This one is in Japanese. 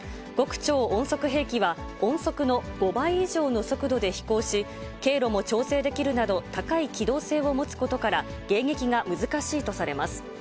極超音速兵器は、音速の５倍以上の速度で飛行し、経路も調整できるなど、高い機動性を持つことから、迎撃が難しいとされます。